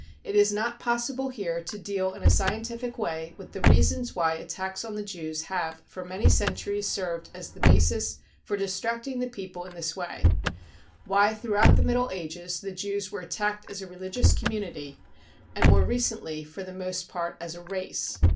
It is not possible here to deal in a scientific way with the reasons why attacks on the Jews have for many centuries served as the basis for distracting the people in this way ; why throughput the Middle Ages the Jews were attacked as a religious community, and more recently for the most part as a " race.